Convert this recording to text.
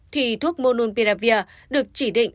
thì thuốc monopiravir được chỉ định